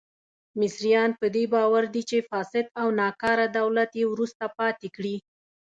مصریان په دې باور دي چې فاسد او ناکاره دولت یې وروسته پاتې کړي.